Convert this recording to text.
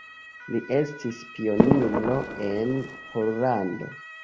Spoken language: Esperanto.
Li estis pioniro en Pollando.